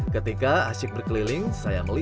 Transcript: ketika asyik berkeliling saya melihat